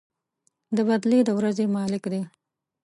د بَدلې د ورځې مالك دی.